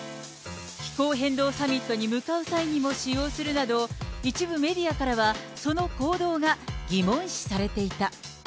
気候変動サミットに向かう際にも使用するなど、一部メディアからは、その行動が疑問視されていた。